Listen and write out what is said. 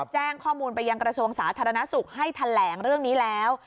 แจ้งข้อมูลไปยังกระทรวงสาธารณสุขให้แถลงเรื่องนี้แล้ว